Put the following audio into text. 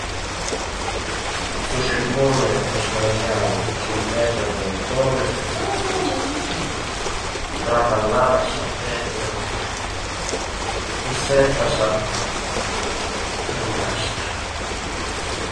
Il cinghiale è realizzata con lastre di ottone sagomate e assemblate ad incastro.